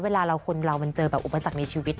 เวลาคนเราเจออุปสรรคในชีวิต